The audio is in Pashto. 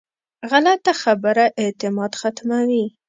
غلطه خبره اعتماد ختموي